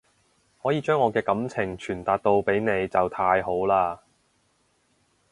可以將我嘅感情傳達到俾你就太好喇